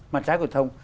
mặt trái của truyền thông